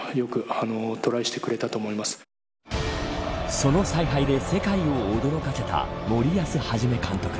その采配で世界を驚かせた森保一監督。